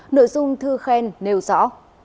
nội dung thư khen nêu rõ